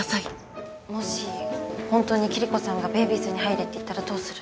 もしホントにキリコさんがベイビーズに入れって言ったらどうする？